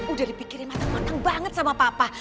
udah dipikirin matang mateng banget sama papa